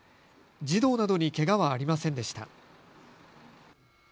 児童などにけがはありませんでした。